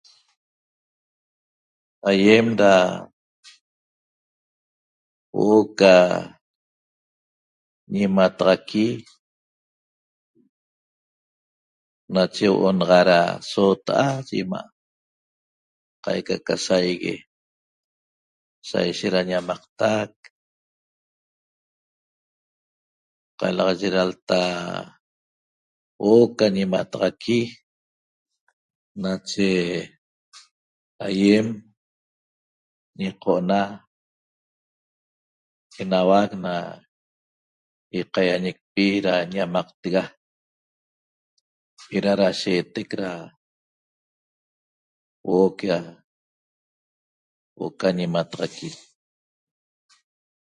Aýem da huo'o ca ñimataxaqui nache huo'o naxa da soota'a yi 'ima' qaica ca saigue saishet da ñamaqtac qalaxaye da lta huo'o ca ñimataxaqui nache aýem ñiqo'ona enauac na ýaqaýañicpi da ñamaqtega eda da sheetec da huo'o ca huo'o ca ñimataxaqui